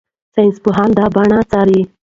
ساینسپوهان دا بڼې څاري.